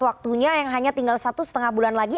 waktunya yang hanya tinggal satu setengah bulan lagi